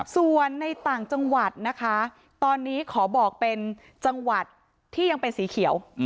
ส่วนในต่างจังหวัดนะคะตอนนี้ขอบอกเป็นจังหวัดที่ยังเป็นสีเขียว